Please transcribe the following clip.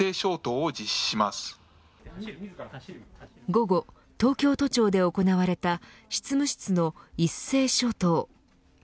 午後、東京都庁で行われた執務室の一斉消灯。